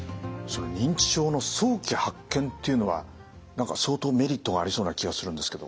認知症の早期発見っていうのは何か相当メリットがありそうな気がするんですけど。